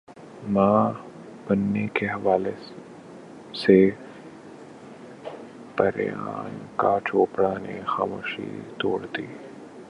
ماں بننے کے حوالے سے پریانکا چوپڑا نے خاموشی توڑ دی